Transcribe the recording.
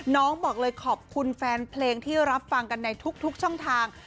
บอกเลยขอบคุณแฟนเพลงที่รับฟังกันในทุกช่องทาง